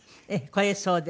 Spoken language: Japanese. これそうです。